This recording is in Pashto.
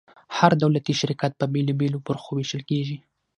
هر دولتي شرکت په بیلو بیلو برخو ویشل کیږي.